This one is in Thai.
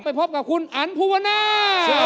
ไปพบกับคุณอันภูวนา